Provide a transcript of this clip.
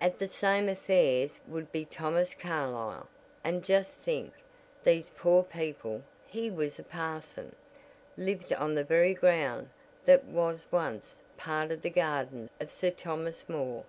At the same affairs would be Thomas Carlyle, and just think, these poor people he was a parson, lived on the very ground that was once part of the garden of Sir Thomas Moore.